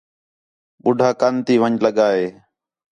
ٻُڈّھا کند تی ون٘ڄ لڳا ہے